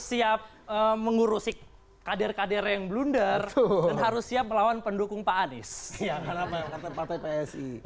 siap mengurusi kader kader yang blunder dan harus siap melawan pendukung pak anies